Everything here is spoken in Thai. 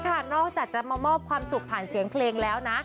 จากมาสามารถมอบความสุขผ่านเสียงเครงแล้ว